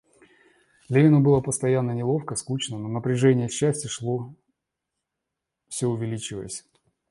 Левину было постоянно неловко, скучно, но напряжение счастья шло, всё увеличиваясь.